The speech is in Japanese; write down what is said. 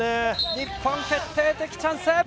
日本、決定的チャンス！